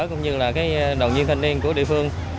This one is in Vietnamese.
cũng như là đoàn viên thanh niên của địa phương